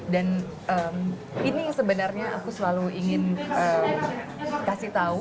dan ini yang sebenarnya aku selalu ingin kasih tahu